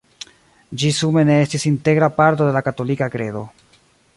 Ĝi sume ne estis "integra parto de la katolika kredo".